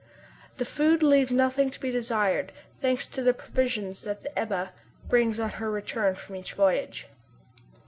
The food leaves nothing to be desired, thanks to the provisions that the Ebba brings on her return from each voyage.